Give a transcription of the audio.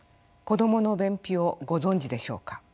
子どもの便秘をご存じでしょうか。